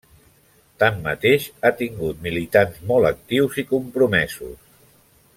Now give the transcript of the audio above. Tanmateix, ha tingut militants molt actius i compromesos.